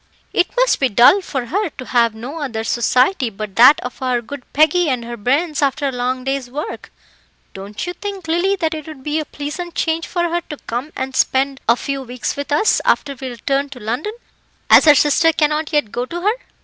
"It must be dull for her to have no other society but that of our good Peggy and her bairns after a long day's work. Don't you think, Lily, that it would be a pleasant change for her to come and spend a few weeks with us after we return to London, as her sister cannot yet go to her?"